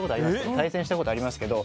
対戦した事ありますけど。